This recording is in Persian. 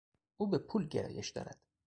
او به پول گرایش دارد.